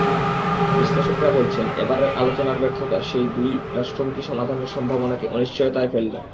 বিশ্লেষকেরা বলছেন, এবারের আলোচনার ব্যর্থতা সেই দুই রাষ্ট্রমুখী সমাধানের সম্ভাবনাকে অনিশ্চয়তায় ফেলল।